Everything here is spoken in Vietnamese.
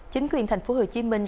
chính quyền thành phố hồ chí minh